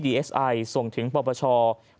ดีเอสไอส์ส่งถึงพระประชา